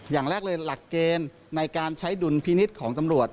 อย่างแรกเลยหลักเกณฑ์ในการใช้ดุลพินิษฐ์ของตำรวจ